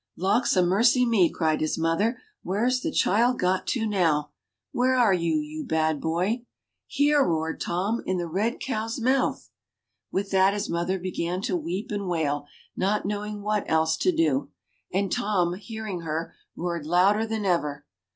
" Lawks a mercy me," cried his mother, *'where's the child got to now ? Where are you, you bad boy ?" "Here !" roared Tom, "in the red cow's mouth !" With that his mother began to weep and wail, not know ing what else to do ; and Tom, hearing her, roared louder than ever.